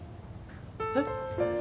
えっ！？